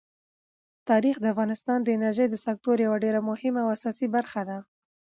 تاریخ د افغانستان د انرژۍ د سکتور یوه ډېره مهمه او اساسي برخه ده.